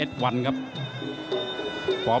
สูง๑๗๙เซนติเมตรครับ